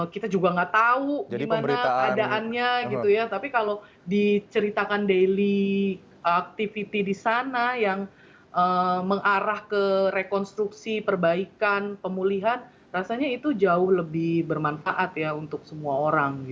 kita juga nggak tahu gimana keadaannya gitu ya tapi kalau diceritakan daily activity di sana yang mengarah ke rekonstruksi perbaikan pemulihan rasanya itu jauh lebih bermanfaat ya untuk semua orang